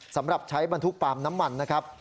สำหรับใช้บรรทุกปาล์มน้ำมันนะครับ